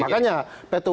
mau putusan mk ma atau petun